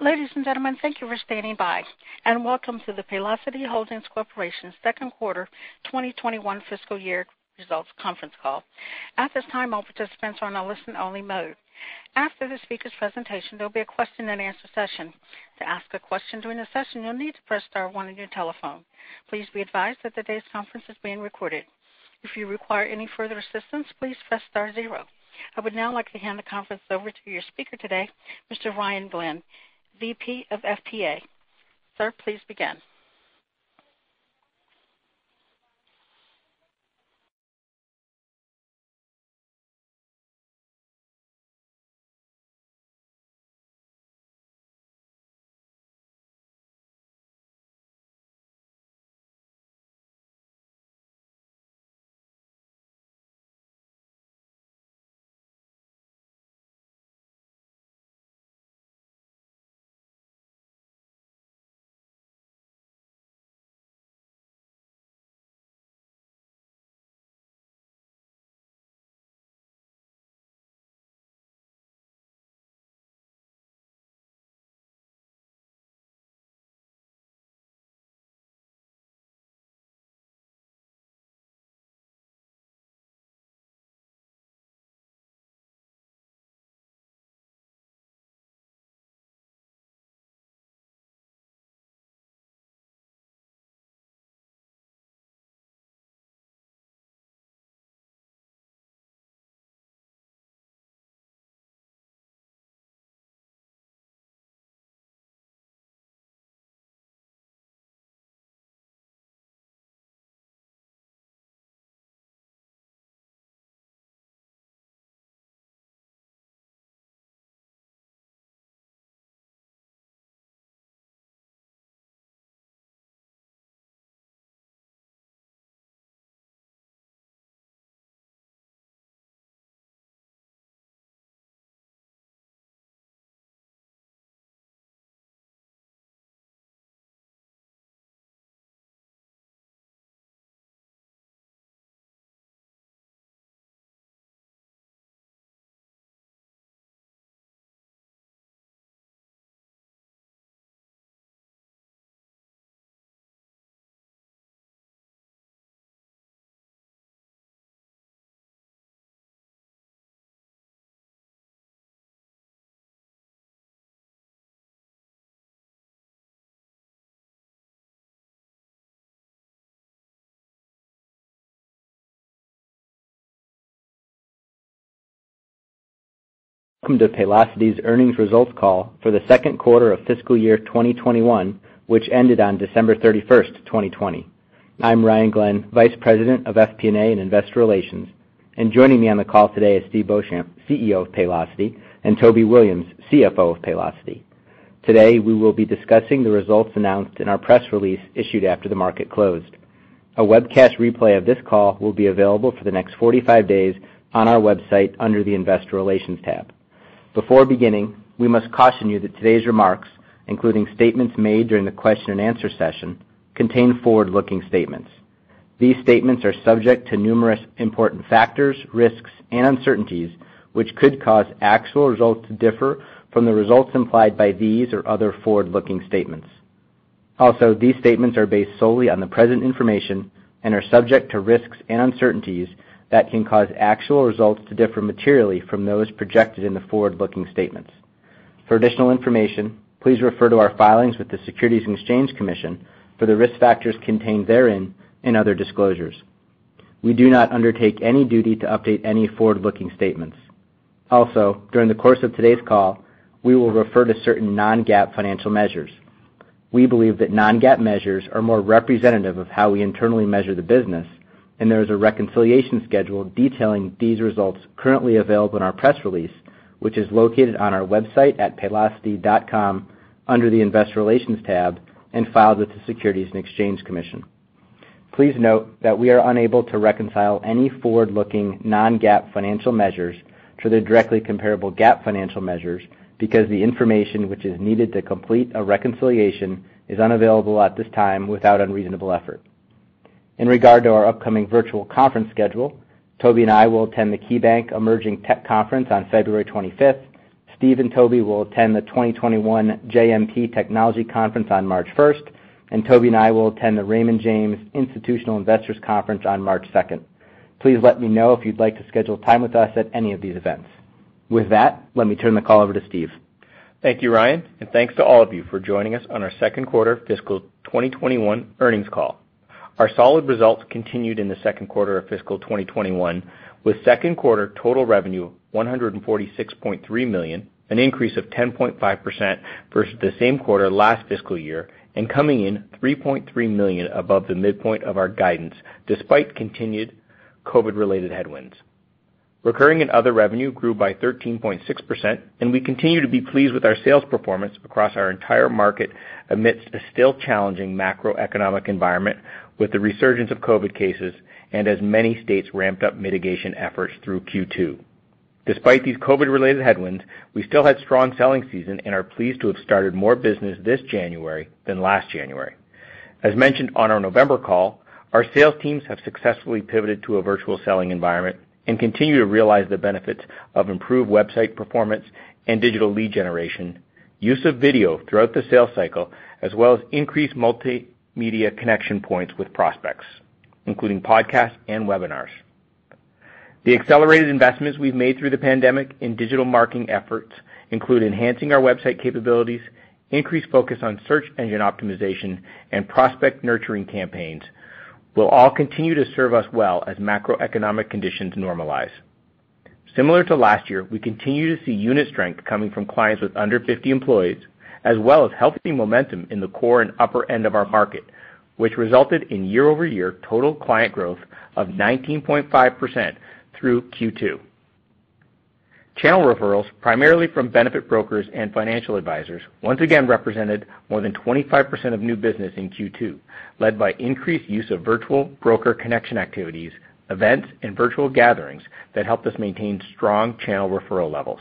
Ladies and gentlemen, thank you for standing by, and welcome to the Paylocity Holding Corporation Second Quarter 2021 Fiscal Year Results Conference Call. At this time, all participants are in a listen only mode. After the speaker's presentation, there will be a question and answer session. To ask a question during the session, you will need to press star one on your telephone. Please be advised that today's conference is being recorded. If you require any further assistance, please press star zero. I would now like to hand the conference over to your speaker today, Mr. Ryan Glenn, VP of FP&A. Sir, please begin. Welcome to Paylocity's Earnings Results Call for the Second Quarter of Fiscal Year 2021, which ended on December 31st, 2020. I'm Ryan Glenn, Vice President of FP&A and Investor Relations, and joining me on the call today is Steve Beauchamp, CEO of Paylocity, and Toby Williams, CFO of Paylocity. Today, we will be discussing the results announced in our press release issued after the market closed. A webcast replay of this call will be available for the next 45 days on our website under the investor relations tab. Before beginning, we must caution you that today's remarks, including statements made during the question and answer session, contain forward-looking statements. These statements are subject to numerous important factors, risks, and uncertainties, which could cause actual results to differ from the results implied by these or other forward-looking statements. These statements are based solely on the present information and are subject to risks and uncertainties that can cause actual results to differ materially from those projected in the forward-looking statements. For additional information, please refer to our filings with the Securities and Exchange Commission for the risk factors contained therein and other disclosures. We do not undertake any duty to update any forward-looking statements. During the course of today's call, we will refer to certain non-GAAP financial measures. We believe that non-GAAP measures are more representative of how we internally measure the business, and there is a reconciliation schedule detailing these results currently available in our press release, which is located on our website at paylocity.com under the investor relations tab and filed with the Securities and Exchange Commission. Please note that we are unable to reconcile any forward-looking non-GAAP financial measures to the directly comparable GAAP financial measures because the information which is needed to complete a reconciliation is unavailable at this time without unreasonable effort. In regard to our upcoming virtual conference schedule, Toby and I will attend the KeyBanc Emerging Technology Conference on February 25th. Steve and Toby will attend the 2021 JMP Securities Technology Conference on March 1st, and Toby and I will attend the Raymond James Institutional Investors Conference on March 2nd. Please let me know if you'd like to schedule time with us at any of these events. With that, let me turn the call over to Steve. Thank you, Ryan, and thanks to all of you for joining us on our Second Quarter Fiscal 2021 Earnings Call. Our solid results continued in the second quarter of fiscal 2021, with second quarter total revenue $146.3 million, an increase of 10.5% versus the same quarter last fiscal year, and coming in $3.3 million above the midpoint of our guidance despite continued COVID-related headwinds. Recurring and other revenue grew by 13.6%, and we continue to be pleased with our sales performance across our entire market amidst a still challenging macroeconomic environment with the resurgence of COVID cases and as many states ramped up mitigation efforts through Q2. Despite these COVID-related headwinds, we still had strong selling season and are pleased to have started more business this January than last January. As mentioned on our November call, our sales teams have successfully pivoted to a virtual selling environment and continue to realize the benefits of improved website performance and digital lead generation, use of video throughout the sales cycle, as well as increased multimedia connection points with prospects, including podcasts and webinars. The accelerated investments we've made through the pandemic in digital marketing efforts include enhancing our website capabilities, increased focus on search engine optimization, and prospect nurturing campaigns will all continue to serve us well as macroeconomic conditions normalize. Similar to last year, we continue to see unit strength coming from clients with under 50 employees, as well as healthy momentum in the core and upper end of our market, which resulted in year-over-year total client growth of 19.5% through Q2. Channel referrals, primarily from benefit brokers and financial advisors, once again represented more than 25% of new business in Q2, led by increased use of virtual broker connection activities, events, and virtual gatherings that helped us maintain strong channel referral levels.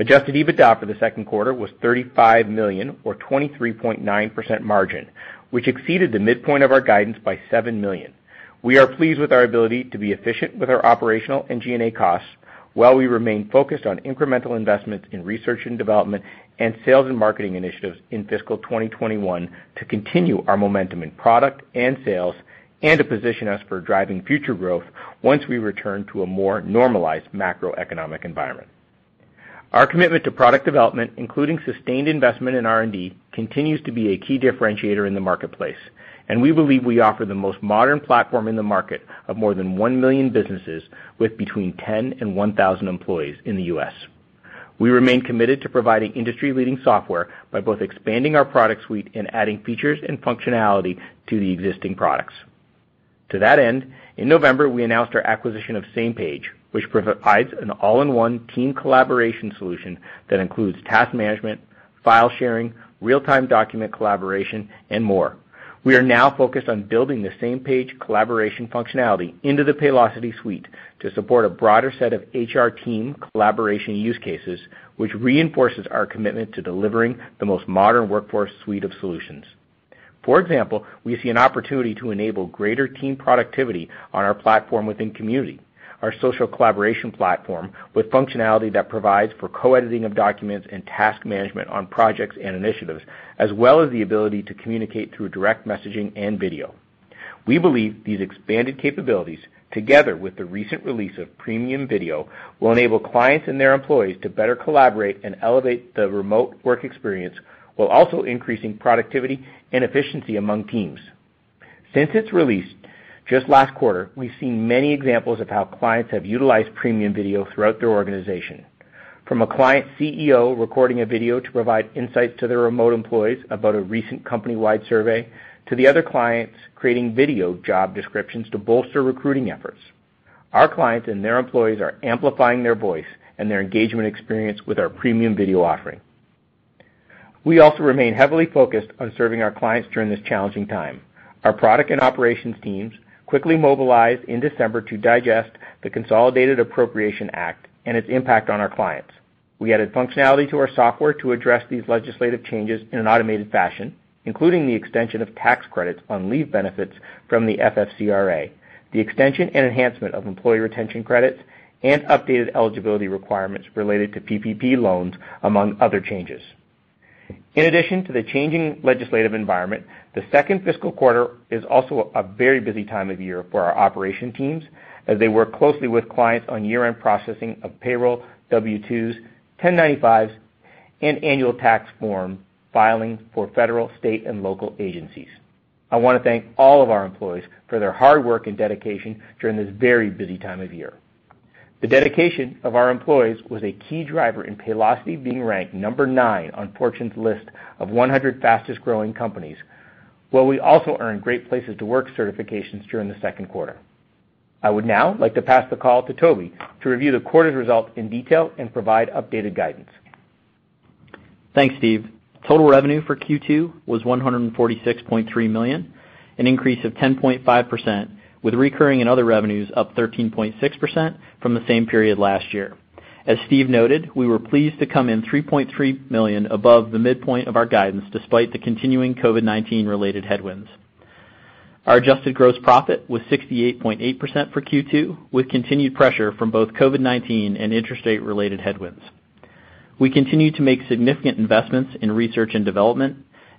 Adjusted EBITDA for the second quarter was $35 million, or 23.9% margin, which exceeded the midpoint of our guidance by $7 million. We are pleased with our ability to be efficient with our operational and G&A costs, while we remain focused on incremental investments in research and development and sales and marketing initiatives in fiscal 2021 to continue our momentum in product and sales and to position us for driving future growth once we return to a more normalized macroeconomic environment. Our commitment to product development, including sustained investment in R&D, continues to be a key differentiator in the marketplace, and we believe we offer the most modern platform in the market of more than one million businesses with between 10 and 1,000 employees in the U.S. We remain committed to providing industry-leading software by both expanding our product suite and adding features and functionality to the existing products. To that end, in November, we announced our acquisition of Samepage, which provides an all-in-one team collaboration solution that includes task management, file sharing, real-time document collaboration, and more. We are now focused on building the Samepage collaboration functionality into the Paylocity suite to support a broader set of HR team collaboration use cases, which reinforces our commitment to delivering the most Modern Workforce Suite of solutions. For example, we see an opportunity to enable greater team productivity on our platform within Community, our social collaboration platform, with functionality that provides for co-editing of documents and task management on projects and initiatives, as well as the ability to communicate through direct messaging and video. We believe these expanded capabilities, together with the recent release of Premium Video, will enable clients and their employees to better collaborate and elevate the remote work experience while also increasing productivity and efficiency among teams. Since its release just last quarter, we've seen many examples of how clients have utilized Premium Video throughout their organization, from a client CEO recording a video to provide insights to their remote employees about a recent company-wide survey to the other clients creating video job descriptions to bolster recruiting efforts. Our clients and their employees are amplifying their voice and their engagement experience with our Premium Video offering. We also remain heavily focused on serving our clients during this challenging time. Our product and operations teams quickly mobilized in December to digest the Consolidated Appropriations Act and its impact on our clients. We added functionality to our software to address these legislative changes in an automated fashion, including the extension of tax credits on leave benefits from the FFCRA, the extension and enhancement of employee retention credits, and updated eligibility requirements related to PPP loans, among other changes. In addition to the changing legislative environment, the second fiscal quarter is also a very busy time of year for our operation teams as they work closely with clients on year-end processing of payroll, W-2s, 1095s, and annual tax form filing for federal, state, and local agencies. I want to thank all of our employees for their hard work and dedication during this very busy time of year. The dedication of our employees was a key driver in Paylocity being ranked number nine on Fortune's list of 100 fastest-growing companies, while we also earned Great Place to Work certifications during the second quarter. I would now like to pass the call to Toby to review the quarter's results in detail and provide updated guidance. Thanks, Steve. Total revenue for Q2 was $146.3 million, an increase of 10.5%, with recurring and other revenues up 13.6% from the same period last year. As Steve noted, we were pleased to come in $3.3 million above the midpoint of our guidance, despite the continuing COVID-19 related headwinds. Our adjusted gross profit was 68.8% for Q2, with continued pressure from both COVID-19 and interstate-related headwinds. We continue to make significant investments in research and development.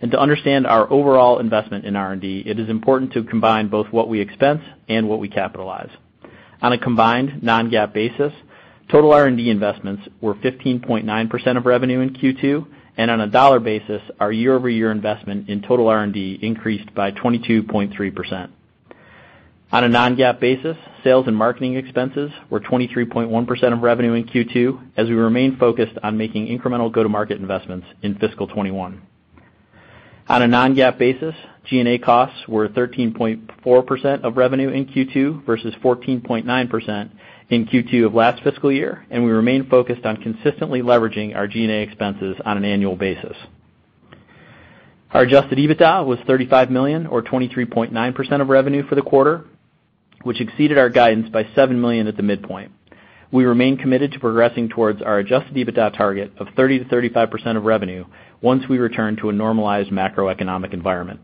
To understand our overall investment in R&D, it is important to combine both what we expense and what we capitalize. On a combined non-GAAP basis, total R&D investments were 15.9% of revenue in Q2. On a dollar basis, our year-over-year investment in total R&D increased by 22.3%. On a non-GAAP basis, sales and marketing expenses were 23.1% of revenue in Q2, as we remain focused on making incremental go-to-market investments in fiscal 2021. On a non-GAAP basis, G&A costs were 13.4% of revenue in Q2 versus 14.9% in Q2 of last fiscal year, and we remain focused on consistently leveraging our G&A expenses on an annual basis. Our adjusted EBITDA was $35 million, or 23.9% of revenue for the quarter, which exceeded our guidance by $7 million at the midpoint. We remain committed to progressing towards our adjusted EBITDA target of 30%-35% of revenue, once we return to a normalized macroeconomic environment.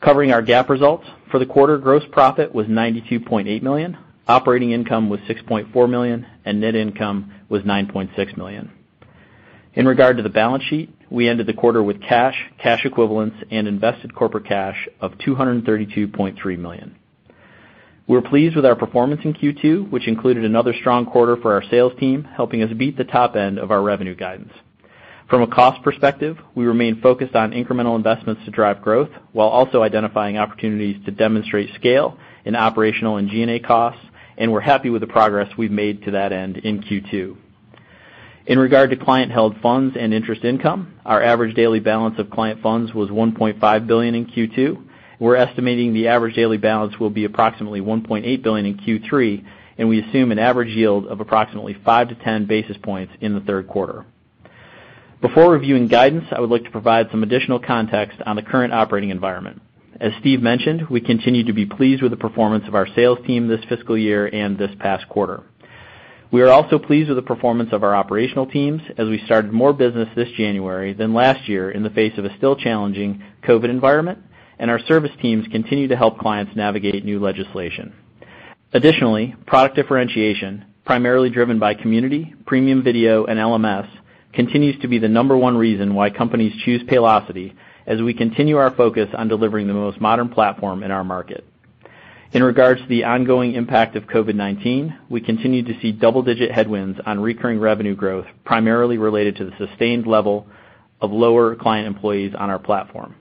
Covering our GAAP results for the quarter, gross profit was $92.8 million, operating income was $6.4 million, and net income was $9.6 million. In regard to the balance sheet, we ended the quarter with cash equivalents, and invested corporate cash of $232.3 million. We're pleased with our performance in Q2, which included another strong quarter for our sales team, helping us beat the top end of our revenue guidance. From a cost perspective, we remain focused on incremental investments to drive growth, while also identifying opportunities to demonstrate scale in operational and G&A costs, and we're happy with the progress we've made to that end in Q2. In regard to client-held funds and interest income, our average daily balance of client funds was $1.5 billion in Q2. We're estimating the average daily balance will be approximately $1.8 billion in Q3, and we assume an average yield of approximately 5-10 basis points in the third quarter. Before reviewing guidance, I would like to provide some additional context on the current operating environment. As Steve mentioned, we continue to be pleased with the performance of our sales team this fiscal year and this past quarter. We are also pleased with the performance of our operational teams, as we started more business this January than last year in the face of a still challenging COVID-19 environment, and our service teams continue to help clients navigate new legislation. Product differentiation, primarily driven by Community, Premium Video, and LMS, continues to be the number one reason why companies choose Paylocity, as we continue our focus on delivering the most modern platform in our market. In regards to the ongoing impact of COVID-19, we continue to see double-digit headwinds on recurring revenue growth, primarily related to the sustained level of lower client employees on our platform.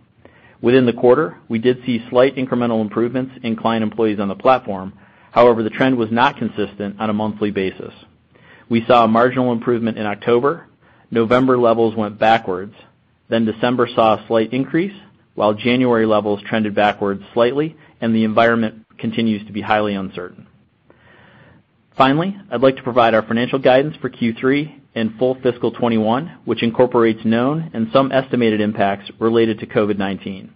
Within the quarter, we did see slight incremental improvements in client employees on the platform. However, the trend was not consistent on a monthly basis. We saw a marginal improvement in October. November levels went backwards. December saw a slight increase, while January levels trended backwards slightly, and the environment continues to be highly uncertain. Finally, I'd like to provide our financial guidance for Q3 and full fiscal 2021, which incorporates known and some estimated impacts related to COVID-19.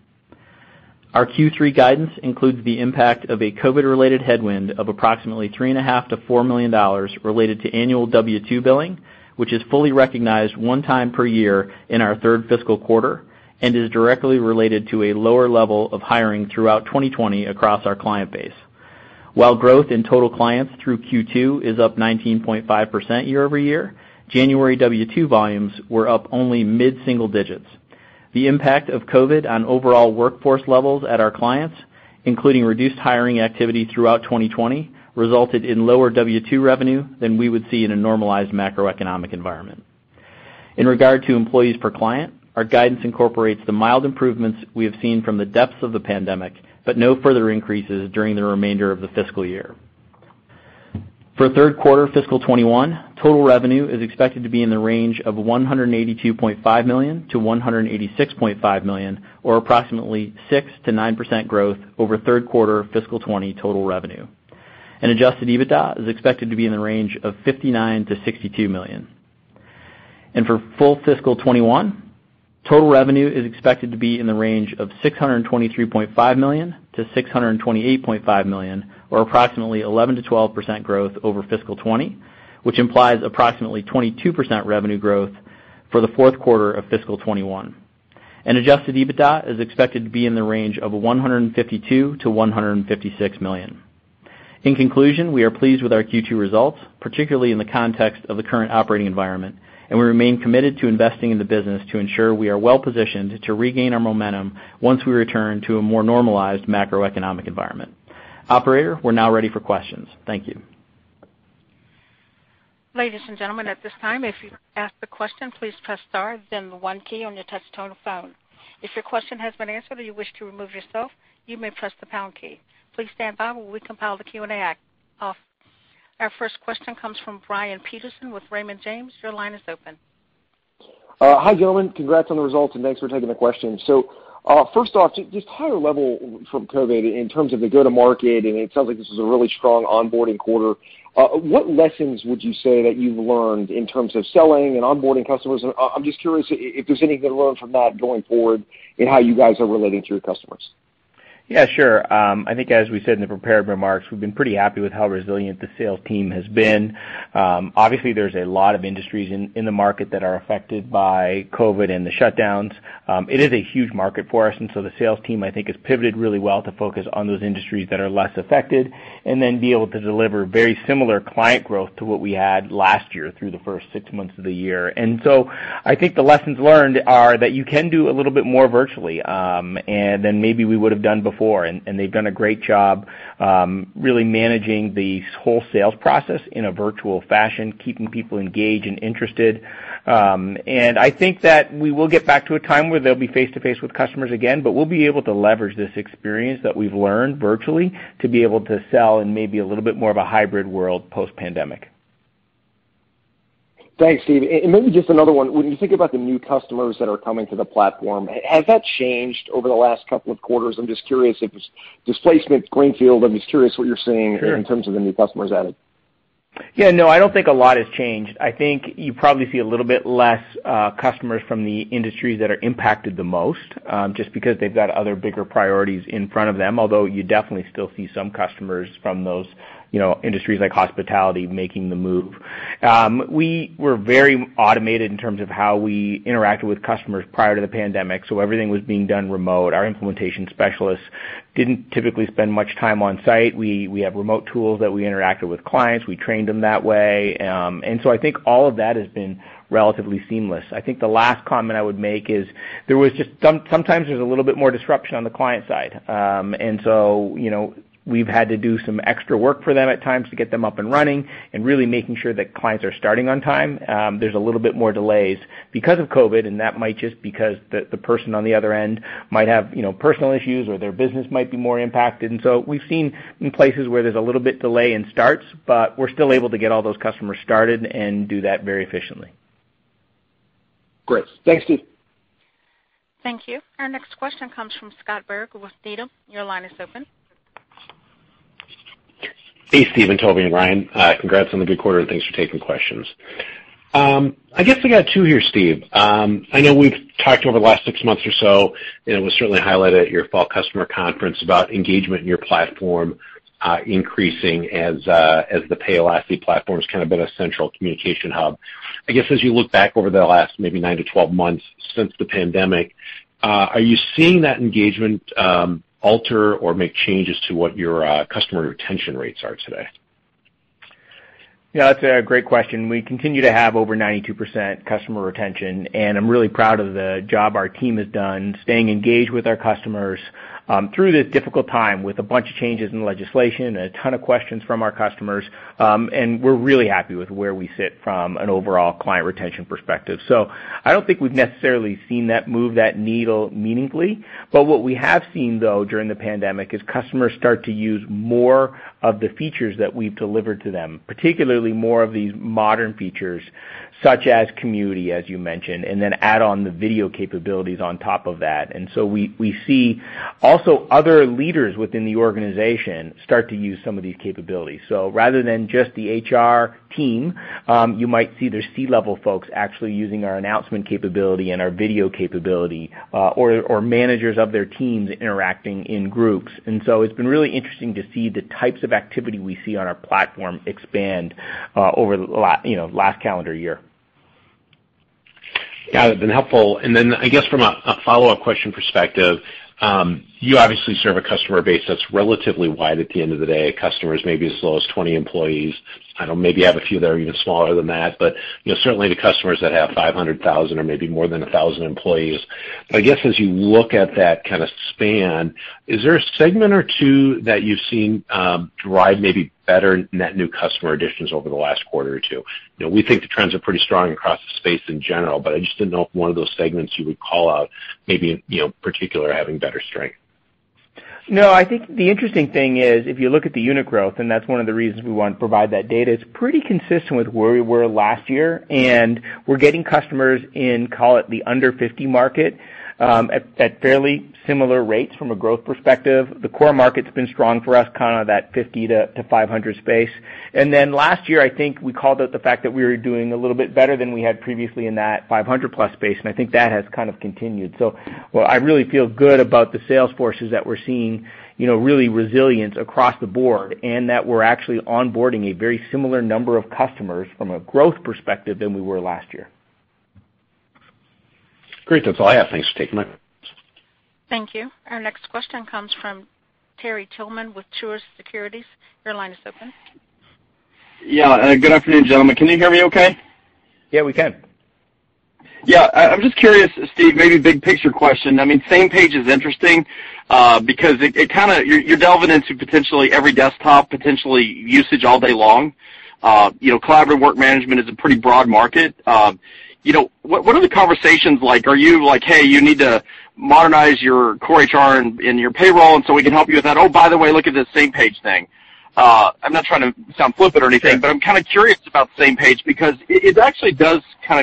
Our Q3 guidance includes the impact of a COVID-related headwind of approximately $3.5 million-$4 million related to annual W-2 billing, which is fully recognized one time per year in our third fiscal quarter and is directly related to a lower level of hiring throughout 2020 across our client base. While growth in total clients through Q2 is up 19.5% year-over-year, January W-2 volumes were up only mid-single digits. The impact of COVID-19 on overall workforce levels at our clients, including reduced hiring activity throughout 2020, resulted in lower W-2 revenue than we would see in a normalized macroeconomic environment. In regard to employees per client, our guidance incorporates the mild improvements we have seen from the depths of the pandemic, but no further increases during the remainder of the fiscal year. For third quarter fiscal 2021, total revenue is expected to be in the range of $182.5 million-$186.5 million, or approximately 6%-9% growth over third quarter fiscal 2020 total revenue. Adjusted EBITDA is expected to be in the range of $59 million-$62 million. For full fiscal 2021, total revenue is expected to be in the range of $623.5 million-$628.5 million, or approximately 11%-12% growth over fiscal 2020, which implies approximately 22% revenue growth for the fourth quarter of fiscal 2021. Adjusted EBITDA is expected to be in the range of $152 million-$156 million. In conclusion, we are pleased with our Q2 results, particularly in the context of the current operating environment, and we remain committed to investing in the business to ensure we are well-positioned to regain our momentum once we return to a more normalized macroeconomic environment. Operator, we're now ready for questions. Thank you. Ladies and gentlemen at this time if you have a question please press star then one key on your touchtone phone. If your question have been answered and you wish to remove yourself, you may press the pound key. Please stand by while we compile the Q&A up. Our first question comes from Brian Peterson with Raymond James. Your line is open. Hi, gentlemen. Congrats on the results, and thanks for taking the question. First off, just higher level from COVID in terms of the go-to-market, and it sounds like this is a really strong onboarding quarter. What lessons would you say that you've learned in terms of selling and onboarding customers? I'm just curious if there's anything to learn from that going forward in how you guys are relating to your customers. Sure. I think as we said in the prepared remarks, we've been pretty happy with how resilient the sales team has been. Obviously, there's a lot of industries in the market that are affected by COVID-19 and the shutdowns. It is a huge market for us, and so the sales team, I think, has pivoted really well to focus on those industries that are less affected, and then be able to deliver very similar client growth to what we had last year through the first six months of the year. I think the lessons learned are that you can do a little bit more virtually, and then maybe we would've done before. They've done a great job really managing the whole sales process in a virtual fashion, keeping people engaged and interested. I think that we will get back to a time where they'll be face-to-face with customers again. We'll be able to leverage this experience that we've learned virtually to be able to sell in maybe a little bit more of a hybrid world post-pandemic. Thanks, Steve. Maybe just another one. When you think about the new customers that are coming to the platform, has that changed over the last couple of quarters? I'm just curious if it's displacement, greenfield. I'm just curious what you're seeing- Sure.... in terms of the new customers added. Yeah, no, I don't think a lot has changed. I think you probably see a little bit less customers from the industries that are impacted the most, just because they've got other bigger priorities in front of them. You definitely still see some customers from those industries, like hospitality, making the move. We were very automated in terms of how we interacted with customers prior to the pandemic. Everything was being done remote. Our implementation specialists didn't typically spend much time on site. We have remote tools that we interacted with clients. We trained them that way. I think all of that has been relatively seamless. I think the last comment I would make is, sometimes there's a little bit more disruption on the client side. We've had to do some extra work for them at times to get them up and running and really making sure that clients are starting on time. There's a little bit more delays because of COVID, and that might just because the person on the other end might have personal issues or their business might be more impacted. We've seen in places where there's a little bit delay in starts, but we're still able to get all those customers started and do that very efficiently. Great. Thanks, Steve. Thank you. Our next question comes from Scott Berg with Needham. Your line is open. Hey, Steve and Toby and Ryan. Congrats on the good quarter. Thanks for taking questions. I guess I got two here, Steve. I know we've talked over the last six months or so, and it was certainly highlighted at your fall customer conference about engagement in your platform, increasing as the Paylocity platform's kind of been a central communication hub. I guess as you look back over the last maybe 9-12 months since the pandemic, are you seeing that engagement alter or make changes to what your customer retention rates are today? That's a great question. We continue to have over 92% customer retention. I'm really proud of the job our team has done, staying engaged with our customers through this difficult time with a bunch of changes in legislation and a ton of questions from our customers. We're really happy with where we sit from an overall client retention perspective. I don't think we've necessarily seen that move that needle meaningfully. What we have seen, though, during the pandemic is customers start to use more of the features that we've delivered to them, particularly more of these modern features, such as Community, as you mentioned. Then add on the video capabilities on top of that. We see also other leaders within the organization start to use some of these capabilities. Rather than just the HR team, you might see their C-level folks actually using our announcement capability and our video capability, or managers of their teams interacting in Groups. It's been really interesting to see the types of activity we see on our platform expand over the last calendar year. Yeah, that's been helpful. I guess from a follow-up question perspective, you obviously serve a customer base that's relatively wide at the end of the day. A customer is maybe as low as 20 employees. I know maybe you have a few that are even smaller than that, but certainly the customers that have 500,000 or maybe more than 1,000 employees. I guess as you look at that kind of span, is there a segment or two that you've seen drive maybe better net new customer additions over the last quarter or two? We think the trends are pretty strong across the space in general, but I just didn't know if one of those segments you would call out maybe in particular having better strength. I think the interesting thing is, if you look at the unit growth, and that's one of the reasons we want to provide that data, it's pretty consistent with where we were last year, and we're getting customers in, call it, the under 50 market, at fairly similar rates from a growth perspective. The core market's been strong for us, kind of that 50-500 space. Last year, I think we called out the fact that we were doing a little bit better than we had previously in that 500+ space, and I think that has kind of continued. While I really feel good about the sales forces that we're seeing really resilience across the board, and that we're actually onboarding a very similar number of customers from a growth perspective than we were last year. Great. That's all I have. Thanks for taking my questions. Thank you. Our next question comes from Terry Tillman with Truist Securities. Your line is open. Yeah. Good afternoon, gentlemen. Can you hear me okay? Yeah, we can. Yeah. I'm just curious, Steve, maybe big picture question. Samepage is interesting, because you're delving into potentially every desktop, potentially usage all day long. Collaborative work management is a pretty broad market. What are the conversations like? Are you like, "Hey, you need to modernize your core HR and your payroll, and so we can help you with that. Oh, by the way, look at this Samepage thing." I'm not trying to sound flippant or anything, but I'm kind of curious about Samepage because it actually does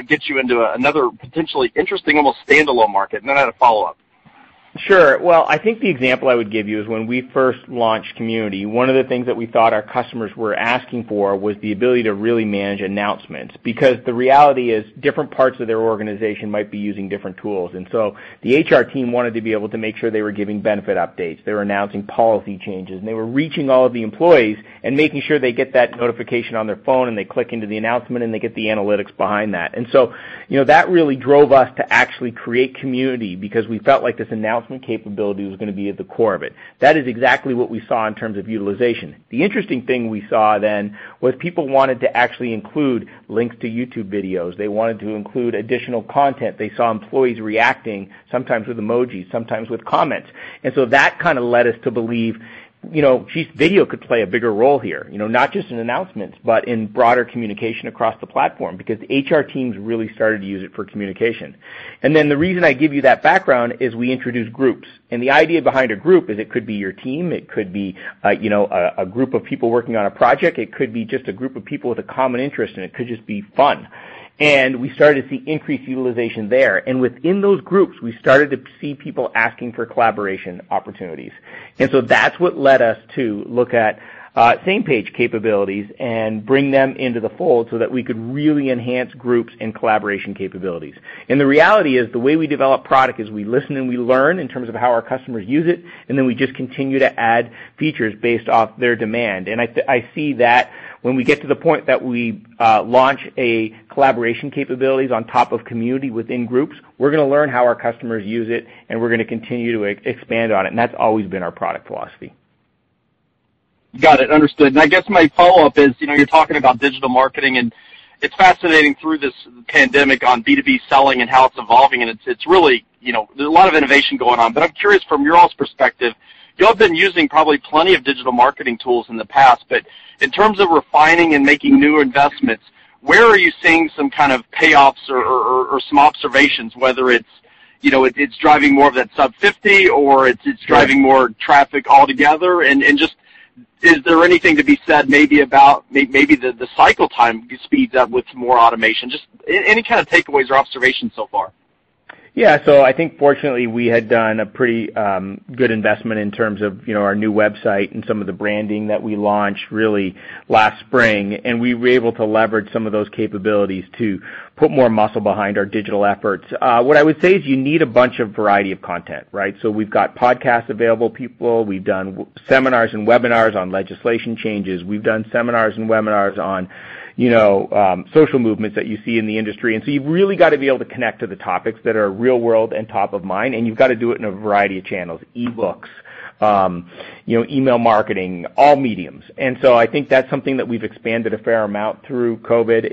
get you into another potentially interesting, almost standalone market. I had a follow-up. Sure. Well, I think the example I would give you is when we first launched Community, one of the things that we thought our customers were asking for was the ability to really manage announcements, because the reality is, different parts of their organization might be using different tools. The HR team wanted to be able to make sure they were giving benefit updates, they were announcing policy changes, and they were reaching all of the employees and making sure they get that notification on their phone, and they click into the announcement, and they get the analytics behind that. That really drove us to actually create Community because we felt like this announcement capability was going to be at the core of it. That is exactly what we saw in terms of utilization. The interesting thing we saw then was people wanted to actually include links to YouTube videos. They wanted to include additional content. They saw employees reacting, sometimes with emojis, sometimes with comments. That led us to believe video could play a bigger role here, not just in announcements, but in broader communication across the platform, because HR teams really started to use it for communication. The reason I give you that background is we introduced Groups. The idea behind a group is it could be your team, it could be a group of people working on a project. It could be just a group of people with a common interest, and it could just be fun. We started to see increased utilization there. Within those groups, we started to see people asking for collaboration opportunities. That's what led us to look at Samepage capabilities and bring them into the fold so that we could really enhance groups and collaboration capabilities. The reality is, the way we develop product is we listen and we learn in terms of how our customers use it, and then we just continue to add features based off their demand. I see that when we get to the point that we launch a collaboration capabilities on top of Community within Groups, we're going to learn how our customers use it, and we're going to continue to expand on it. That's always been our product philosophy. Got it. Understood. I guess my follow-up is, you're talking about digital marketing, and it's fascinating through this pandemic on B2B selling and how it's evolving, and there's a lot of innovation going on, but I'm curious from your all's perspective, you all have been using probably plenty of digital marketing tools in the past, but in terms of refining and making new investments, where are you seeing some kind of payoffs or some observations, whether it's driving more of that sub 50, or it's driving more traffic altogether. Just, is there anything to be said maybe about maybe the cycle time speeds up with more automation? Just any kind of takeaways or observations so far? I think fortunately, we had done a pretty good investment in terms of our new website and some of the branding that we launched really last spring, and we were able to leverage some of those capabilities to put more muscle behind our digital efforts. What I would say is you need a bunch of variety of content, right? We've got podcasts available, people. We've done seminars and webinars on legislation changes. We've done seminars and webinars on social movements that you see in the industry. You've really got to be able to connect to the topics that are real-world and top of mind, and you've got to do it in a variety of channels, e-books, email marketing, all mediums. I think that's something that we've expanded a fair amount through COVID.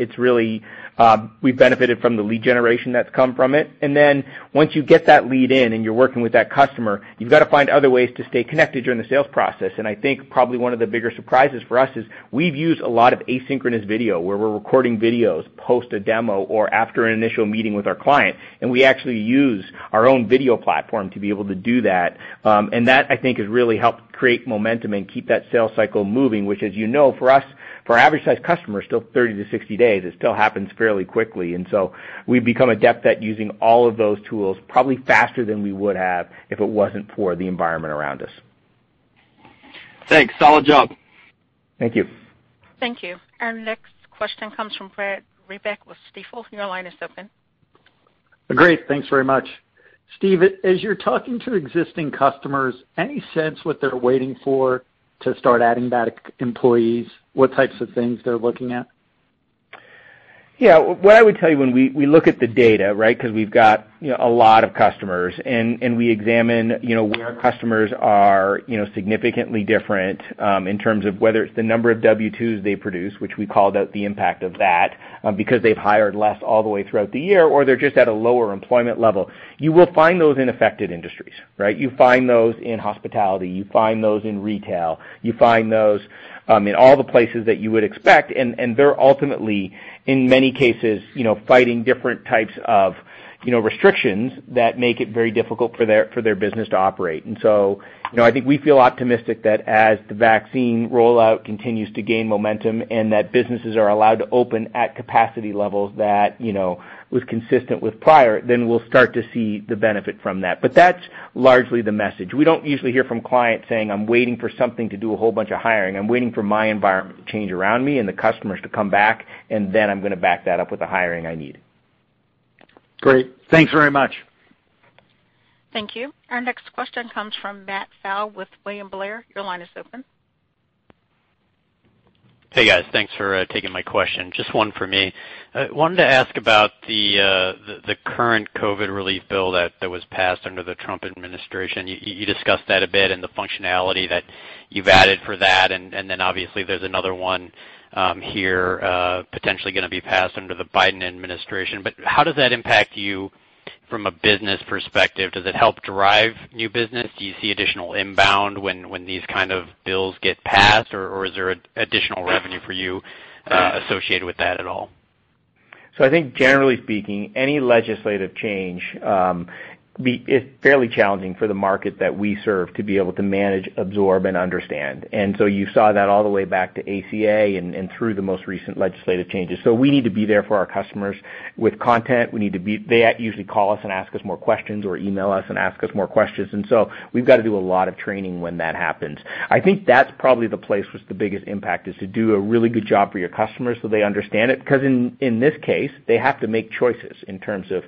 We've benefited from the lead generation that's come from it. Once you get that lead in and you're working with that customer, you've got to find other ways to stay connected during the sales process. I think probably one of the bigger surprises for us is we've used a lot of asynchronous video where we're recording videos, post a demo or after an initial meeting with our client, and we actually use our own video platform to be able to do that. That, I think, has really helped create momentum and keep that sales cycle moving, which, as you know, for us, for average size customers, still 30-60 days. It still happens fairly quickly. We've become adept at using all of those tools, probably faster than we would have if it wasn't for the environment around us. Thanks. Solid job. Thank you. Thank you. Our next question comes from Brad Reback with Stifel. Your line is open. Great. Thanks very much. Steve, as you're talking to existing customers, any sense what they're waiting for to start adding back employees? What types of things they're looking at? Yeah. What I would tell you when we look at the data, right, because we've got a lot of customers, and we examine where customers are significantly different, in terms of whether it's the number of W-2s they produce, which we call that the impact of that, because they've hired less all the way throughout the year, or they're just at a lower employment level. You will find those in affected industries, right? You find those in hospitality, you find those in retail, you find those, in all the places that you would expect. They're ultimately, in many cases, fighting different types of restrictions that make it very difficult for their business to operate. I think we feel optimistic that as the vaccine rollout continues to gain momentum and that businesses are allowed to open at capacity levels that was consistent with prior, then we'll start to see the benefit from that. That's largely the message. We don't usually hear from clients saying, "I'm waiting for something to do a whole bunch of hiring. I'm waiting for my environment to change around me and the customers to come back, and then I'm going to back that up with the hiring I need. Great. Thanks very much. Thank you. Our next question comes from Matt Pfau with William Blair. Your line is open. Hey, guys. Thanks for taking my question. Just one for me. I wanted to ask about the current COVID relief bill that was passed under the Trump administration. You discussed that a bit and the functionality that you've added for that, and then obviously there's another one here, potentially going to be passed under the Biden administration. How does that impact you from a business perspective? Does it help drive new business? Do you see additional inbound when these kind of bills get passed, or is there additional revenue for you associated with that at all? I think generally speaking, any legislative change, is fairly challenging for the market that we serve to be able to manage, absorb, and understand. You saw that all the way back to ACA and through the most recent legislative changes. We need to be there for our customers with content. They usually call us and ask us more questions or email us and ask us more questions. We've got to do a lot of training when that happens. I think that's probably the place with the biggest impact, is to do a really good job for your customers so they understand it. Because in this case, they have to make choices in terms of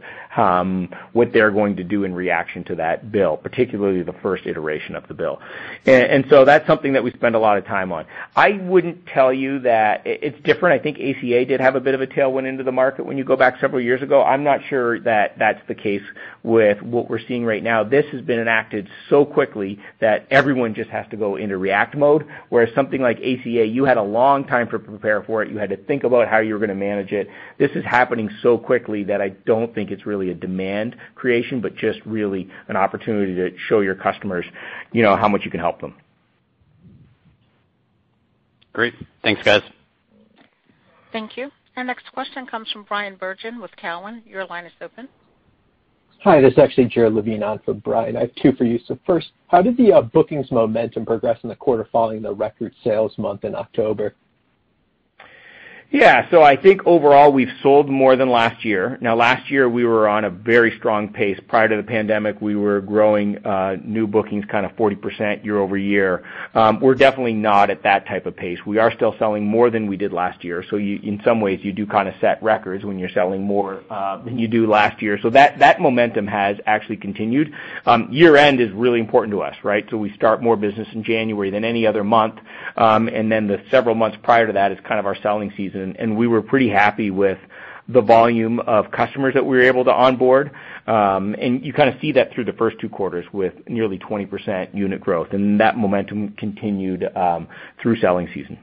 what they're going to do in reaction to that bill, particularly the first iteration of the bill. That's something that we spend a lot of time on. I wouldn't tell you that it's different. I think ACA did have a bit of a tailwind into the market when you go back several years ago. I'm not sure that that's the case with what we're seeing right now. This has been enacted so quickly that everyone just has to go into react mode, whereas something like ACA, you had a long time to prepare for it. You had to think about how you were going to manage it. This is happening so quickly that I don't think it's really a demand creation, but just really an opportunity to show your customers how much you can help them. Great. Thanks, guys. Thank you. Our next question comes from Bryan Bergin with Cowen. Your line is open. Hi, this is actually Jared Levine on for Bryan. I have two for you. First, how did the bookings momentum progress in the quarter following the record sales month in October? I think overall, we've sold more than last year. Last year, we were on a very strong pace. Prior to the pandemic, we were growing new bookings 40% year-over-year. We're definitely not at that type of pace. We are still selling more than we did last year. In some ways, you do set records when you're selling more than you do last year. That momentum has actually continued. Year-end is really important to us, right. We start more business in January than any other month. Then the several months prior to that is our selling season. We were pretty happy with the volume of customers that we were able to onboard. You see that through the first two quarters with nearly 20% unit growth. That momentum continued through selling season.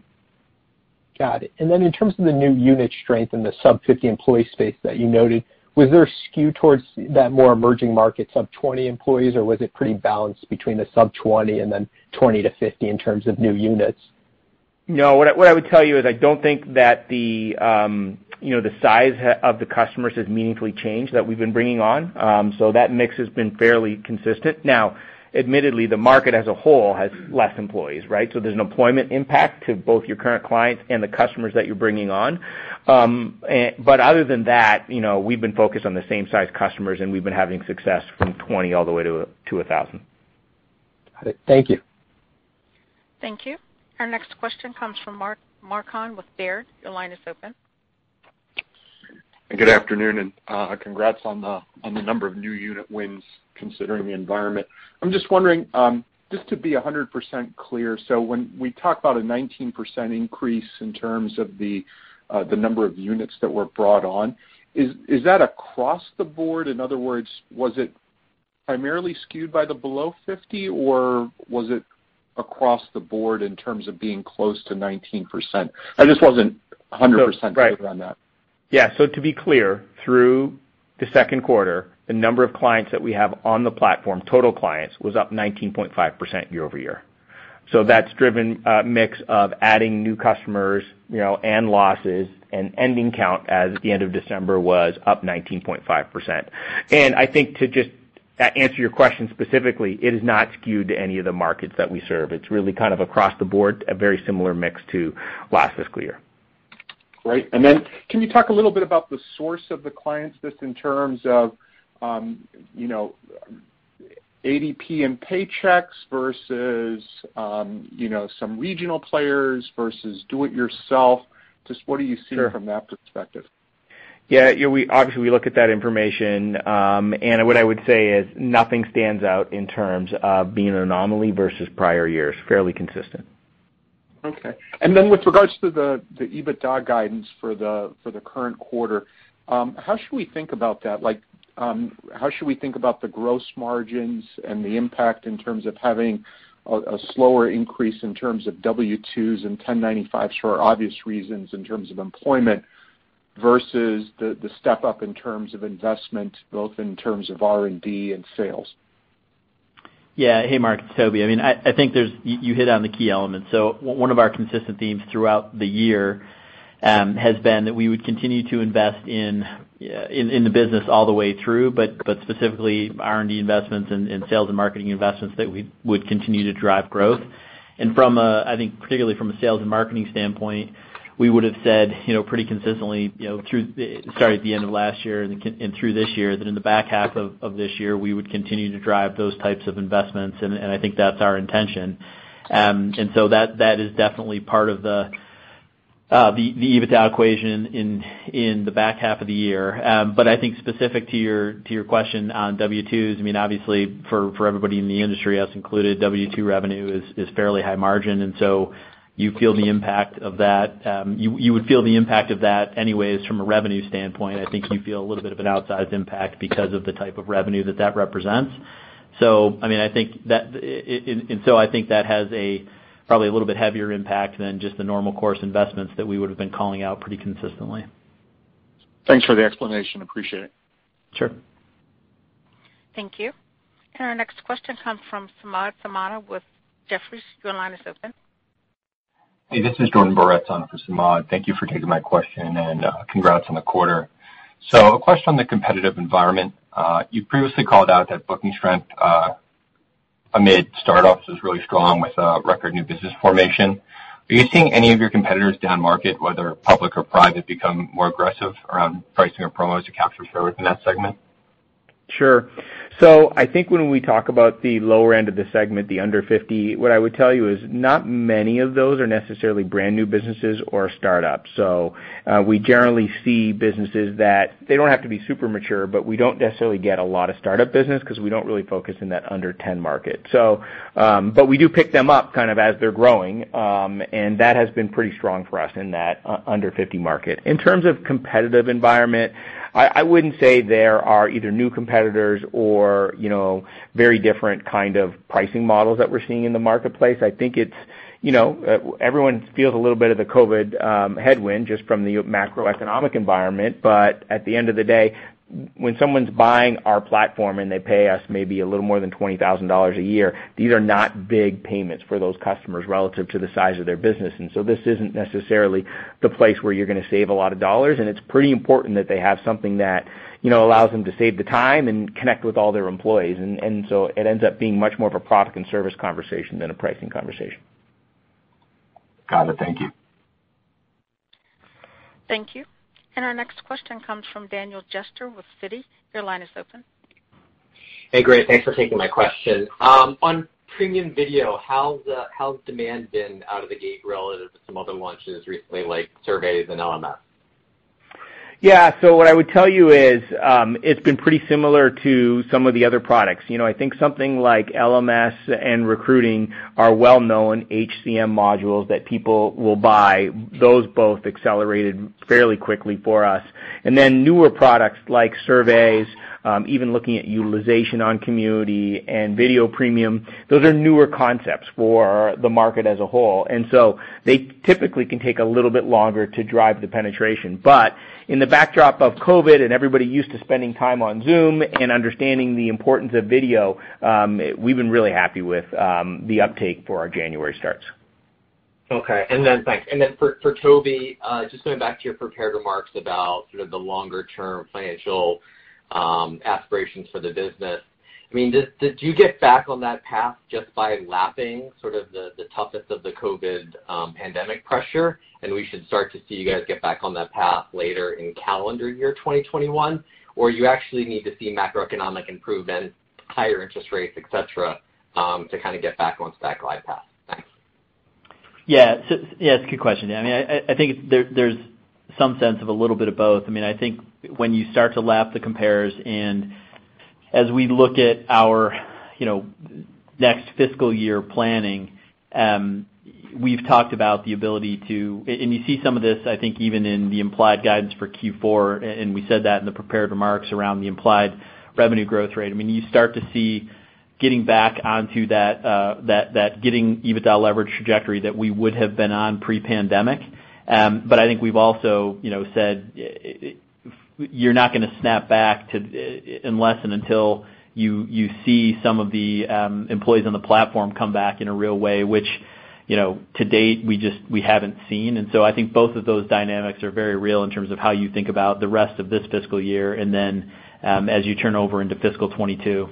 Got it. In terms of the new unit strength in the sub 50 employee space that you noted, was there a skew towards that more emerging market, sub 20 employees, or was it pretty balanced between the sub 20 and then 20-50 in terms of new units? What I would tell you is I don't think that the size of the customers has meaningfully changed that we've been bringing on. That mix has been fairly consistent. Admittedly, the market as a whole has less employees, right? There's an employment impact to both your current clients and the customers that you're bringing on. Other than that, we've been focused on the same size customers, and we've been having success from 20 all the way to 1,000. Got it. Thank you. Thank you. Our next question comes from Mark Marcon with Baird. Your line is open. Good afternoon, and congrats on the number of new unit wins considering the environment. I'm just wondering, just to be 100% clear, so when we talk about a 19% increase in terms of the number of units that were brought on, is that across the board? In other words, was it primarily skewed by the below 50, or was it across the board in terms of being close to 19%? I just wasn't 100% clear on that. Yeah. To be clear, through the second quarter, the number of clients that we have on the platform, total clients, was up 19.5% year-over-year. That's driven a mix of adding new customers, and losses, and ending count as the end of December was up 19.5%. I think to just answer your question specifically, it is not skewed to any of the markets that we serve. It's really across the board, a very similar mix to last fiscal year. Great. Then can you talk a little bit about the source of the clients, just in terms of ADP and Paychex versus some regional players versus do-it-yourself? Just what are you seeing- Sure.... from that perspective? Yeah. Obviously, we look at that information. What I would say is nothing stands out in terms of being an anomaly versus prior years, fairly consistent. Okay. With regards to the EBITDA guidance for the current quarter, how should we think about that? How should we think about the gross margins and the impact in terms of having a slower increase in terms of W-2s and 1095s for obvious reasons in terms of employment versus the step up in terms of investment, both in terms of R&D and sales? Yeah. Hey, Mark, it's Toby. I think you hit on the key elements. One of our consistent themes throughout the year has been that we would continue to invest in the business all the way through, but specifically R&D investments and sales and marketing investments that we would continue to drive growth. I think particularly from a sales and marketing standpoint, we would've said pretty consistently starting at the end of last year and through this year, that in the back half of this year, we would continue to drive those types of investments, and I think that's our intention. That is definitely part of the EBITDA equation in the back half of the year. I think specific to your question on W-2s, obviously for everybody in the industry, us included, W-2 revenue is fairly high margin, and so you would feel the impact of that anyways from a revenue standpoint. I think you feel a little bit of an outsized impact because of the type of revenue that that represents. I think that has a probably a little bit heavier impact than just the normal course investments that we would've been calling out pretty consistently. Thanks for the explanation. Appreciate it. Sure. Thank you. Our next question comes from Samad Samana with Jefferies. Your line is open. Hey, this is Jordan Boretz on for Samad. Thank you for taking my question. Congrats on the quarter. A question on the competitive environment. You previously called out that booking strength amid start-ups is really strong with record new business formation. Are you seeing any of your competitors down market, whether public or private, become more aggressive around pricing or promos to capture share within that segment? Sure. I think when we talk about the lower end of the segment, the under 50, what I would tell you is not many of those are necessarily brand new businesses or start-ups. We generally see businesses that they don't have to be super mature, but we don't necessarily get a lot of start-up business because we don't really focus in that under 10 market. We do pick them up as they're growing. That has been pretty strong for us in that under 50 market. In terms of competitive environment, I wouldn't say there are either new competitors or very different kind of pricing models that we're seeing in the marketplace. I think everyone feels a little bit of the COVID headwind just from the macroeconomic environment. At the end of the day, when someone's buying our platform and they pay us maybe a little more than $20,000 a year, these are not big payments for those customers relative to the size of their business. This isn't necessarily the place where you're going to save a lot of dollars, and it's pretty important that they have something that allows them to save the time and connect with all their employees. It ends up being much more of a product and service conversation than a pricing conversation. Got it. Thank you. Thank you. Our next question comes from Daniel Jester with Citi. Your line is open. Hey, great. Thanks for taking my question. On Premium Video, how's demand been out of the gate relative to some other launches recently, like surveys and LMS? Yeah. What I would tell you is, it's been pretty similar to some of the other products. I think something like LMS and recruiting are well-known HCM modules that people will buy. Those both accelerated fairly quickly for us. Newer products like surveys, even looking at utilization on Community and Premium Video, those are newer concepts for the market as a whole. They typically can take a little bit longer to drive the penetration. In the backdrop of COVID-19 and everybody used to spending time on Zoom and understanding the importance of video, we've been really happy with the uptake for our January starts. Okay. Thanks. For Toby, just going back to your prepared remarks about sort of the longer-term financial aspirations for the business. Did you get back on that path just by lapping sort of the toughest of the COVID pandemic pressure, and we should start to see you guys get back on that path later in calendar year 2021? Or you actually need to see macroeconomic improvement, higher interest rates, etc, to kind of get back onto that glide path? Thanks. Yeah. It's a good question. I think there's some sense of a little bit of both. I think when you start to lap the compares, as we look at our next fiscal year planning, you see some of this, I think, even in the implied guidance for Q4, and we said that in the prepared remarks around the implied revenue growth rate. You start to see getting back onto that EBITDA leverage trajectory that we would have been on pre-pandemic. I think we've also said you're not going to snap back unless, and until you see some of the employees on the platform come back in a real way, which to date we haven't seen. I think both of those dynamics are very real in terms of how you think about the rest of this fiscal year, and then as you turn over into fiscal 2022.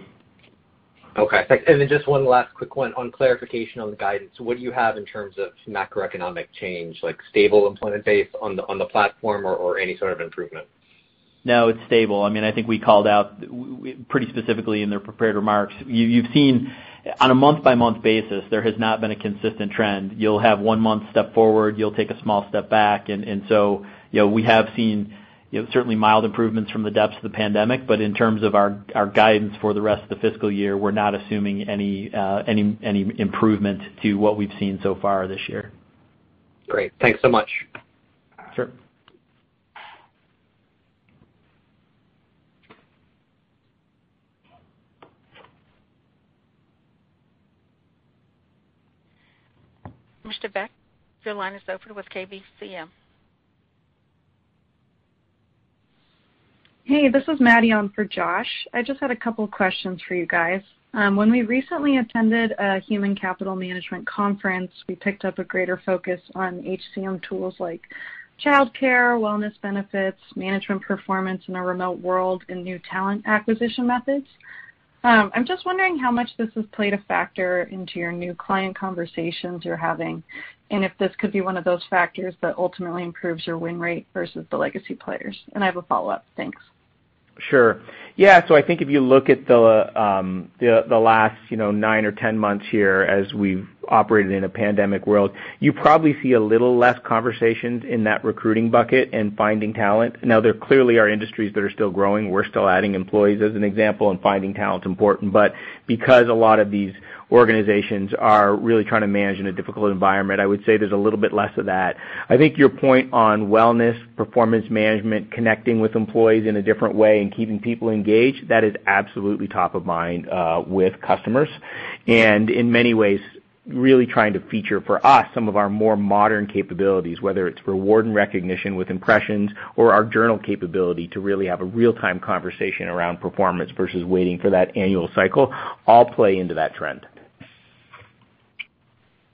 Okay, thanks. Just one last quick one on clarification on the guidance. What do you have in terms of macroeconomic change, like stable employment base on the platform or any sort of improvement? No, it's stable. I think we called out pretty specifically in the prepared remarks. You've seen on a month-by-month basis, there has not been a consistent trend. You'll have one month step forward, you'll take a small step back. We have seen certainly mild improvements from the depths of the pandemic. In terms of our guidance for the rest of the fiscal year, we're not assuming any improvement to what we've seen so far this year. Great. Thanks so much. Sure. Mr. Beck, your line is open with KBCM. Hey, this is Maddie on for Josh. I just had a couple questions for you guys. When we recently attended a human capital management conference, we picked up a greater focus on HCM tools like childcare, wellness benefits, management performance in a remote world, and new talent acquisition methods. I'm just wondering how much this has played a factor into your new client conversations you're having, and if this could be one of those factors that ultimately improves your win rate versus the legacy players. I have a follow-up. Thanks. I think if you look at the last nine or 10 months here as we've operated in a pandemic world, you probably see a little less conversations in that recruiting bucket and finding talent. There clearly are industries that are still growing. We're still adding employees, as an example, and finding talent's important. Because a lot of these organizations are really trying to manage in a difficult environment, I would say there's a little bit less of that. I think your point on wellness, performance management, connecting with employees in a different way, and keeping people engaged, that is absolutely top of mind with customers. In many ways, really trying to feature for us some of our more modern capabilities, whether it's reward and recognition with Impressions or our Journal capability to really have a real-time conversation around performance versus waiting for that annual cycle, all play into that trend.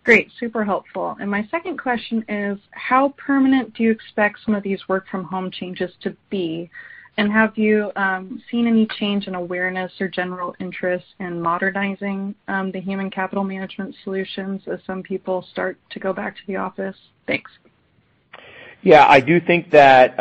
Great. Super helpful. My second question is, how permanent do you expect some of these work-from-home changes to be? Have you seen any change in awareness or general interest in modernizing the human capital management solutions as some people start to go back to the office? Thanks. I do think that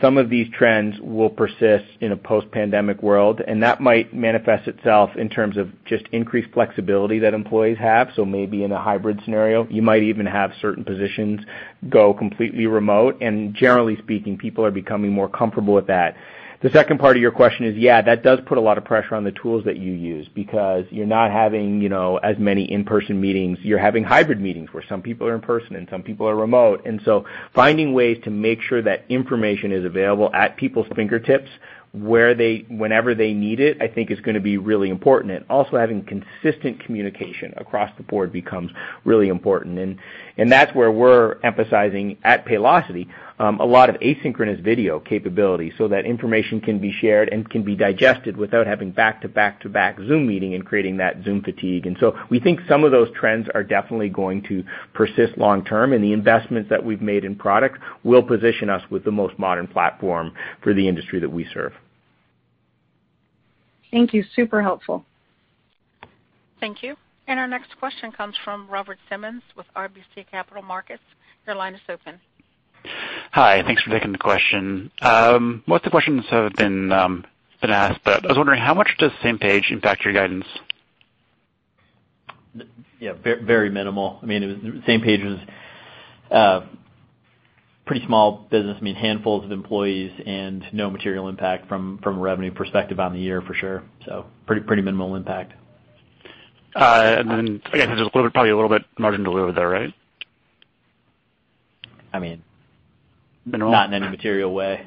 some of these trends will persist in a post-pandemic world. That might manifest itself in terms of just increased flexibility that employees have. Maybe in a hybrid scenario. You might even have certain positions go completely remote. Generally speaking, people are becoming more comfortable with that. The second part of your question is, that does put a lot of pressure on the tools that you use because you're not having as many in-person meetings. You're having hybrid meetings where some people are in person and some people are remote. Finding ways to make sure that information is available at people's fingertips whenever they need it, I think, is going to be really important. Also having consistent communication across the board becomes really important. That's where we're emphasizing at Paylocity, a lot of asynchronous video capability so that information can be shared and can be digested without having back-to-back-to-back Zoom meeting and creating that Zoom fatigue. We think some of those trends are definitely going to persist long term, and the investments that we've made in product will position us with the most modern platform for the industry that we serve. Thank you. Super helpful. Thank you. Our next question comes from Robert Simmons with RBC Capital Markets. Your line is open. Hi. Thanks for taking the question. Most of the questions have been asked, but I was wondering how much does Samepage impact your guidance? Yeah, very minimal. Samepage was a pretty small business. Handfuls of employees and no material impact from a revenue perspective on the year for sure. Pretty minimal impact. I guess there's probably a little bit margin delivered there, right? Not in any material way.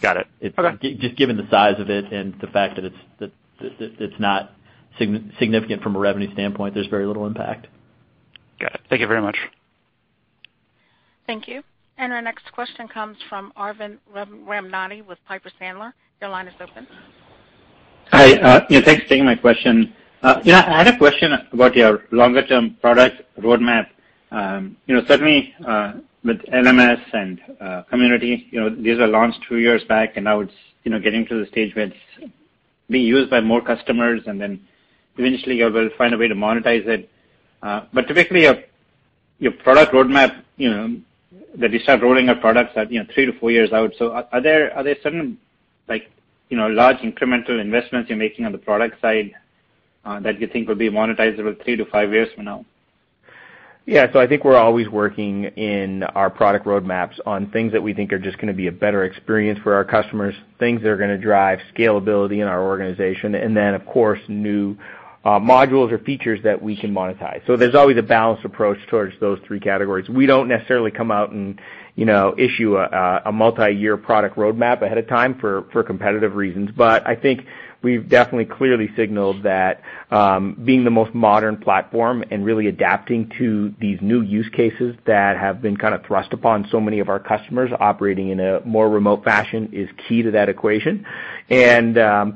Got it. Okay. Just given the size of it and the fact that it's not significant from a revenue standpoint, there's very little impact. Got it. Thank you very much. Thank you. Our next question comes from Arvind Ramnani with Piper Sandler. Your line is open. Hi. Yeah, thanks for taking my question. I had a question about your longer-term product roadmap. Certainly, with LMS and Community, these are launched two years back, and now it's getting to the stage where it's being used by more customers, and then eventually you will find a way to monetize it. Typically, your product roadmap, that you start rolling out products at three to four years out. Are there certain large incremental investments you're making on the product side that you think will be monetized over three to five years from now? Yeah. I think we're always working in our product roadmaps on things that we think are just going to be a better experience for our customers, things that are going to drive scalability in our organization, and then, of course, new modules or features that we can monetize. There's always a balanced approach towards those three categories. We don't necessarily come out and issue a multi-year product roadmap ahead of time for competitive reasons. I think we've definitely clearly signaled that being the most modern platform and really adapting to these new use cases that have been kind of thrust upon so many of our customers operating in a more remote fashion is key to that equation.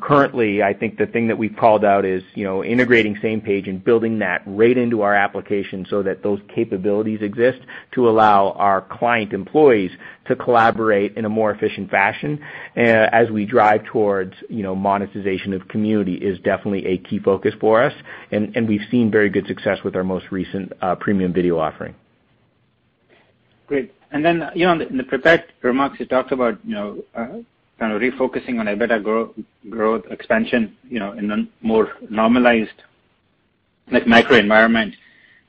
Currently, I think the thing that we've called out is integrating Samepage and building that right into our application so that those capabilities exist to allow our client employees to collaborate in a more efficient fashion as we drive towards monetization of Community is definitely a key focus for us. We've seen very good success with our most recent Premium Video offering. Great. In the prepared remarks, you talked about kind of refocusing on EBITDA growth expansion in a more normalized macroenvironment.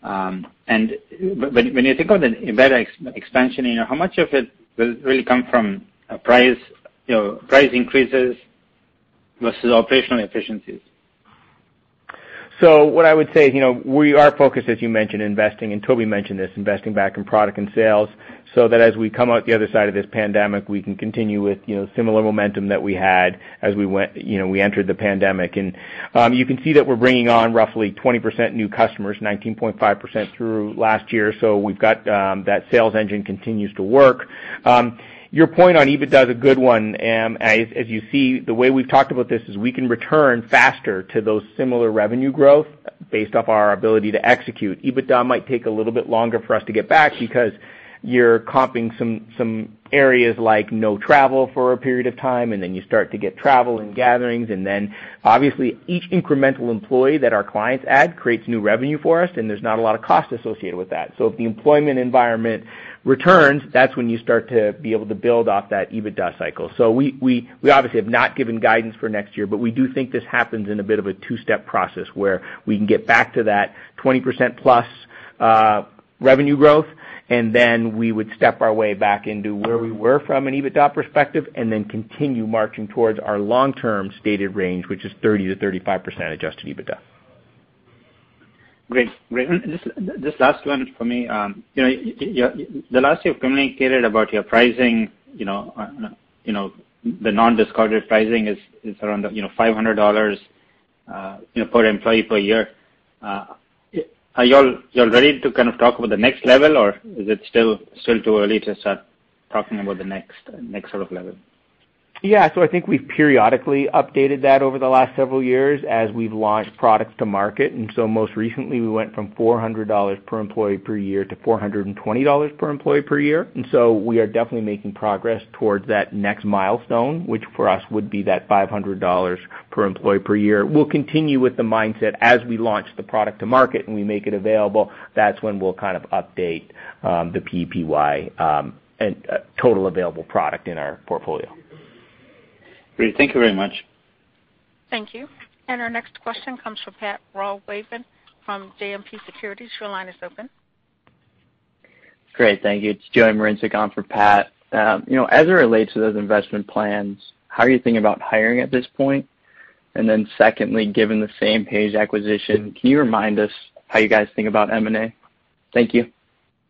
When you think of the EBITDA expansion, how much of it will really come from price increases versus operational efficiencies? What I would say, we are focused, as you mentioned, investing, and Toby mentioned this, investing back in product and sales so that as we come out the other side of this pandemic, we can continue with similar momentum that we had as we entered the pandemic. You can see that we're bringing on roughly 20% new customers, 19.5% through last year. We've got that sales engine continues to work. Your point on EBITDA is a good one. As you see, the way we've talked about this is we can return faster to those similar revenue growth based off our ability to execute. EBITDA might take a little bit longer for us to get back because you're comping some areas like no travel for a period of time, and then you start to get travel and gatherings. Obviously, each incremental employee that our clients add creates new revenue for us, and there's not a lot of cost associated with that. If the employment environment returns, that's when you start to be able to build off that EBITDA cycle. We obviously have not given guidance for next year, but we do think this happens in a bit of a two-step process where we can get back to that 20%+ revenue growth, and then we would step our way back into where we were from an EBITDA perspective, and then continue marching towards our long-term stated range, which is 30%-35% Adjusted EBITDA. Great. Just last one for me. The last you've communicated about your pricing, the non-discounted pricing is around $500 per employee per year. Are you all ready to kind of talk about the next level, or is it still too early to start talking about the next sort of level? Yeah. I think we've periodically updated that over the last several years as we've launched products to market. Most recently, we went from $400 per employee per year to $420 per employee per year. We'll continue with the mindset as we launch the product to market and we make it available. That's when we'll kind of update the PEPY and total available product in our portfolio. Great. Thank you very much. Thank you. Our next question comes from Pat Walravens from JMP Securities. Your line is open. Great. Thank you. It's Joey Marincek on for Pat. As it relates to those investment plans, how are you thinking about hiring at this point? Secondly, given the Samepage acquisition, can you remind us how you guys think about M&A? Thank you.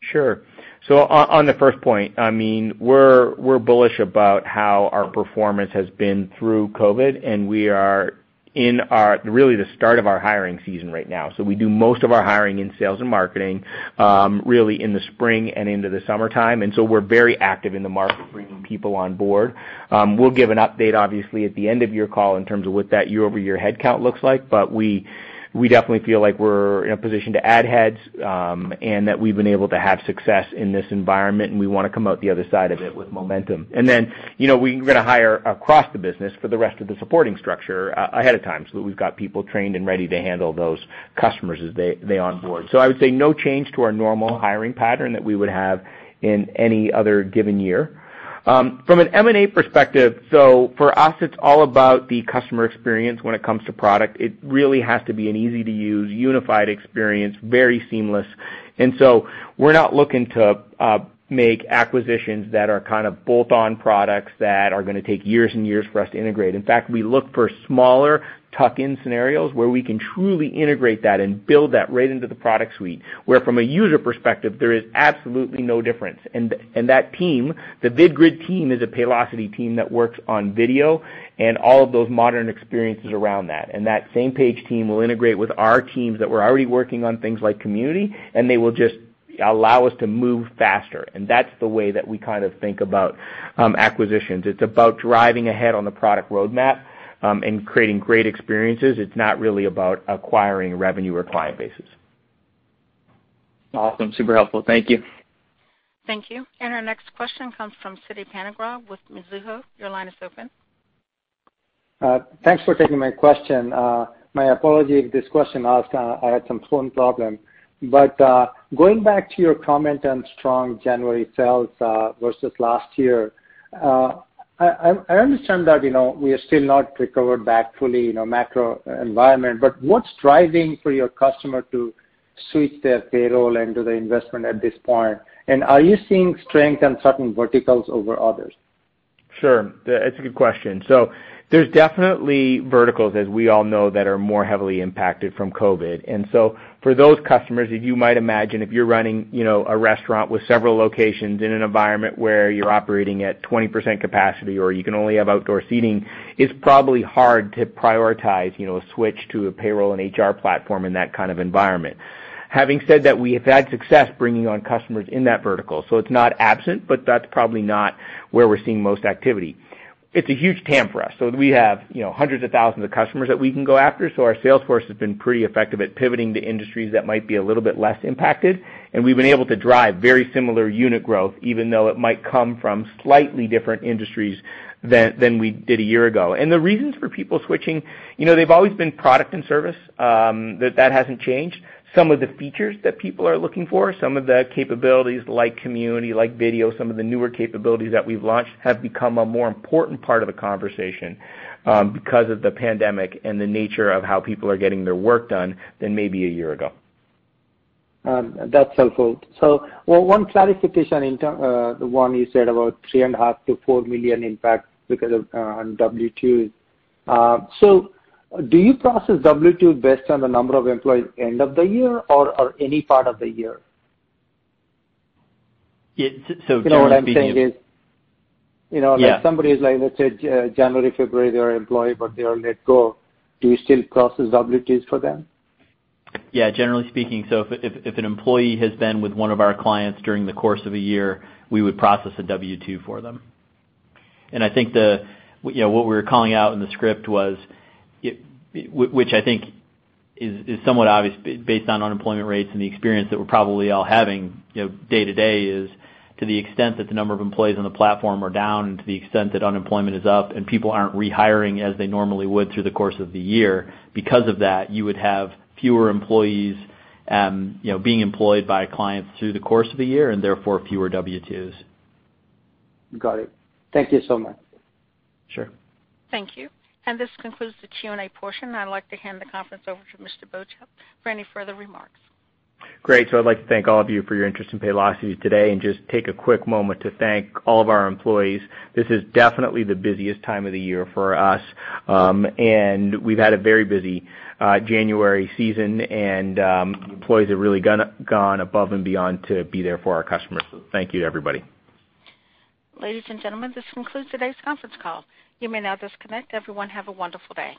Sure. On the first point, we're bullish about how our performance has been through COVID-19, and we are in really the start of our hiring season right now. We do most of our hiring in sales and marketing really in the spring and into the summertime. We're very active in the market bringing people on board. We'll give an update, obviously, at the end of your call in terms of what that year-over-year headcount looks like. We definitely feel like we're in a position to add heads, and that we've been able to have success in this environment, and we want to come out the other side of it with momentum. We are going to hire across the business for the rest of the supporting structure, ahead of time, so that we've got people trained and ready to handle those customers as they onboard. I would say no change to our normal hiring pattern that we would have in any other given year. From an M&A perspective, for us, it's all about the customer experience when it comes to product. It really has to be an easy-to-use, unified experience, very seamless. We're not looking to make acquisitions that are kind of bolt-on products that are going to take years and years for us to integrate. In fact, we look for smaller tuck-in scenarios where we can truly integrate that and build that right into the product suite, where from a user perspective, there is absolutely no difference. That team, the VidGrid team, is a Paylocity team that works on video and all of those modern experiences around that. That Samepage team will integrate with our teams that were already working on things like Community, and they will just allow us to move faster. That's the way that we think about acquisitions. It's about driving ahead on the product roadmap, and creating great experiences. It's not really about acquiring revenue or client bases. Awesome. Super helpful. Thank you. Thank you. Our next question comes from Siti Panigrahi with Mizuho. Thanks for taking my question. My apologies if this question asked, I had some phone problem. Going back to your comment on strong January sales, versus last year. I understand that we are still not recovered back fully in our macro environment. What's driving for your customer to switch their payroll and do the investment at this point? Are you seeing strength in certain verticals over others? Sure. That's a good question. There's definitely verticals, as we all know, that are more heavily impacted from COVID-19. For those customers, as you might imagine, if you're running a restaurant with several locations in an environment where you're operating at 20% capacity or you can only have outdoor seating, it's probably hard to prioritize a switch to a payroll and HR platform in that kind of environment. Having said that, we have had success bringing on customers in that vertical. It's not absent, but that's probably not where we're seeing most activity. It's a huge TAM for us. We have hundreds of thousands of customers that we can go after. Our sales force has been pretty effective at pivoting to industries that might be a little bit less impacted, and we've been able to drive very similar unit growth, even though it might come from slightly different industries than we did a year ago. The reasons for people switching, they've always been product and service. That hasn't changed. Some of the features that people are looking for, some of the capabilities like Community, like Video, some of the newer capabilities that we've launched have become a more important part of the conversation, because of the pandemic and the nature of how people are getting their work done than maybe a year ago. That's helpful. One clarification. The one you said about $3.5 million-$4 million impact because of on W-2s. Do you process W-2 based on the number of employees end of the year or any part of the year? Yeah. Generally speaking. You know what I'm saying is- Yeah.... somebody is, let's say, January, February, they're employed, but they are let go. Do you still process W-2s for them? Yeah. Generally speaking, if an employee has been with one of our clients during the course of a year, we would process a W-2 for them. I think what we were calling out in the script was, which I think is somewhat obvious based on unemployment rates and the experience that we're probably all having day to day is to the extent that the number of employees on the platform are down and to the extent that unemployment is up and people aren't rehiring as they normally would through the course of the year, because of that, you would have fewer employees being employed by clients through the course of the year, and therefore fewer W-2s. Got it. Thank you so much. Sure. Thank you. This concludes the Q&A portion. I'd like to hand the conference over to Mr. Beauchamp for any further remarks. Great. I'd like to thank all of you for your interest in Paylocity today, and just take a quick moment to thank all of our employees. This is definitely the busiest time of the year for us. We've had a very busy January season, and employees have really gone above and beyond to be there for our customers. Thank you, everybody. Ladies and gentlemen, this concludes today's conference call. You may now disconnect. Everyone have a wonderful day.